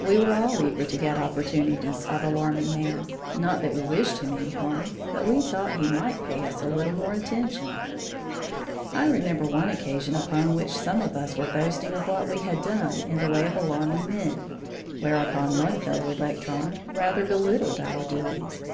We were all eager to get opportunities of alarming man, not that we wished him any harm, but we thought he might pay us a little more attention. I remember one occasion upon which some of us were boasting of what we had done in the way of alarming men, whereupon one fellow electron rather belittled our doings.